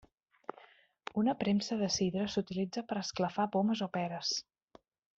Una premsa de sidra s'utilitza per esclafar pomes o peres.